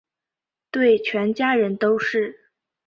对全家人都是